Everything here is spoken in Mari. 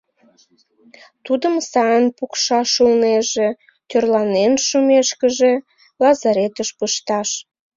Тудым сайын пукшаш улнеже, тӧрланен шумешкыже, лазаретыш пышташ.